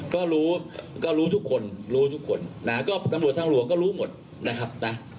ก็รู้ก็รู้ทุกคนรู้ทุกคนนะก็ตำรวจทางหลวงก็รู้หมดนะครับนะ